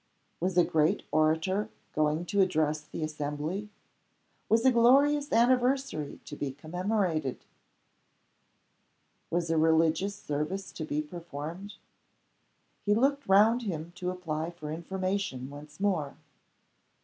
Was a great orator going to address the assembly? Was a glorious anniversary to be commemorated? Was a religious service to be performed? He looked round him to apply for information once more.